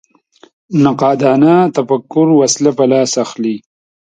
نقادانه تفکر وسله په لاس اخلي